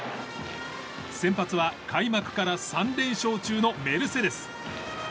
先発は開幕から３連勝中のメルセデス。